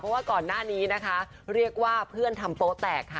เพราะว่าก่อนหน้านี้นะคะเรียกว่าเพื่อนทำโป๊แตกค่ะ